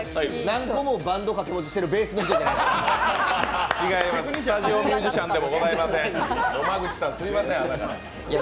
何個もバンド掛け持ちしてるベースみたい。